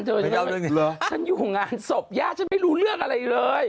ฉันฉันอยู่งานศพย่าฉันไม่รู้เรื่องอะไรเลย